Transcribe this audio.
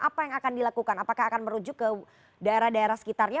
apa yang akan dilakukan apakah akan merujuk ke daerah daerah sekitarnya